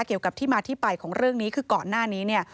เกี่ยวกับที่มาที่ไปของเรื่องนี้คือก่อนหน้านี้เนี่ย